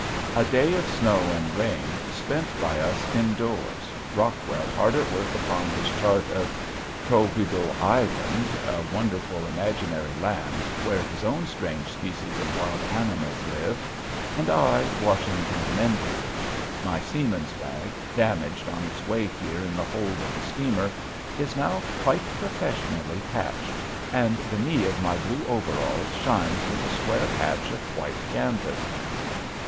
A day of snow and rain spent by us indoors, Rockwell hard at work upon his chart of "Trobbeabl Island" a wonderful imaginary land where his own strange species of wild animals live and I washing and mending. My seaman's bag, damaged on its way here in the hold of the steamer, is now quite professionally patched, and the knee of my blue overalls shines with a square patch of white canvas.